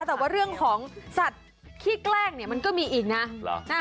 แต่ว่าเรื่องของสัตว์ขี้แกล้งเนี่ยมันก็มีอีกนะ